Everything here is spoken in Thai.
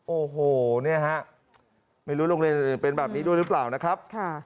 โอ้โหไม่รู้โรงเรียนเป็นแบบนี้ด้วยหรือเปล่านะครับ